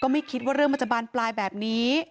ไม่คิดว่าเรื่องมันจะบานปลายแบบนี้